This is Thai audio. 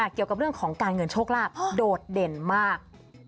เกี่ยวกับเรื่องของการเงินโชคลาภโดดเด่นมาก